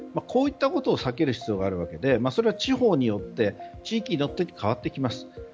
こういったことを避ける必要があるわけでそれは地方や地域によって変わってきます。